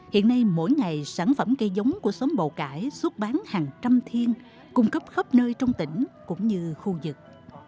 hiện nay mỗi ngày sản phẩm cây giống của xóm bầu cải xuất bán hàng trăm thiên cung cấp khắp nơi trong tỉnh cũng như khu vực